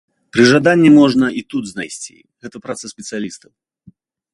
Пры жаданні можна і тут знайсці, гэта праца спецыялістаў.